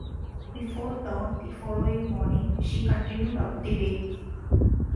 Before dawn the following morning, she continued up the bay.